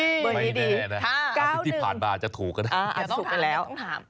ไม่แน่นะอาจจะถูกแล้ว